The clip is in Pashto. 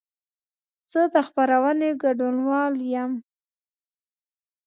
زه د خپرونې ګډونوال یم.